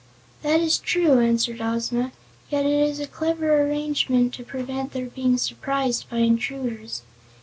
"That is true," answered Ozma; "yet it is a clever arrangement to prevent their being surprised by intruders.